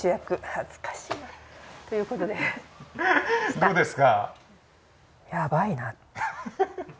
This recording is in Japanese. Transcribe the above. どうですか？